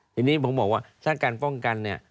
ทีนี้ผมบอกว่าถ้าการป้องกันเนี่ย